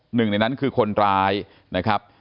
หนึ่งในนั้นคือคนร้ายนะครับ